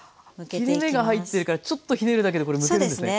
切れ目が入ってるからちょっとひねるだけでむけるんですね。